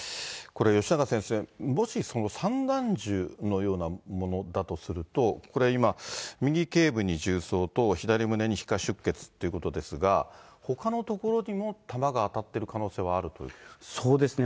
これ、吉永先生、もし散弾銃のようなものだとすると、これ、今、右けい部に銃創と、左胸に皮下出血ということですが、ほかの所にも弾が当たっている可能性があるということですか。